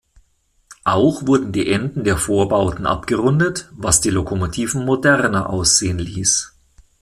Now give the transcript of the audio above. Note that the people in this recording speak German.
Auch wurden die Enden der Vorbauten abgerundet, was die Lokomotiven moderner aussehen ließ.